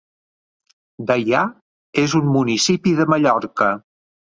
Deià és un municipi de Mallorca.